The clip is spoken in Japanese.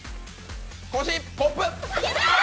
腰、コップ。